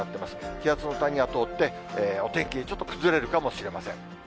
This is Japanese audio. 気圧の谷が通って、お天気ちょっと崩れるかもしれません。